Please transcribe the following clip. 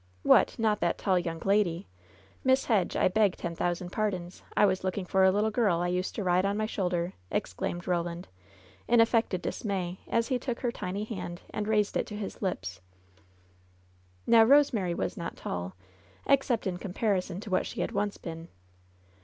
"What ! not that tall yoimg lady ? if iss Hedge, I beg ten thousand pardons. I was looking for a little girl I used to ride on my shoulder!" exclaimed Roland, in affected dismay, as he took her tiny hand and raised it to his lips. Now, Rosemary was not tall, except in comparison to what she had once been.